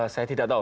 saya tidak tahu